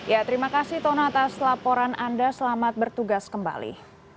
ya terima kasih tono atas laporan anda selamat bertugas kembali